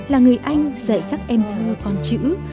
là người anh dạy các em thơ con chữ